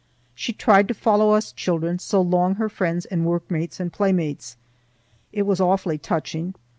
She tried to follow us children, so long her friends and workmates and playmates. It was awfully touching.